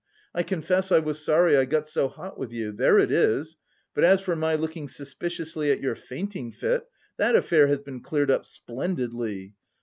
I confess I was sorry I got so hot with you. There it is! But as for my looking suspiciously at your fainting fit that affair has been cleared up splendidly!